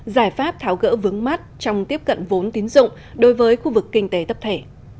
giải pháp tháo gỡ vướng mắt trong tiếp cận vốn tín dụng đối với khu vực kinh tế tập thể